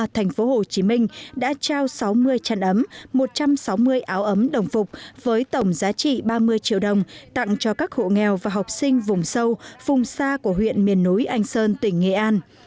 thành phố hồ chí minh đã trao sáu mươi chăn ấm một trăm sáu mươi áo ấm đồng phục với tổng giá trị ba mươi triệu đồng tặng cho các hộ nghèo và học sinh vùng sâu vùng xa của huyện miền núi anh sơn tỉnh nghệ an